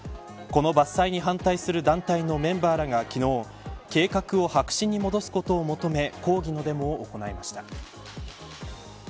この伐採に反対する団体のメンバーらが昨日計画を白紙に戻すことを求め抗議のデモを行いました。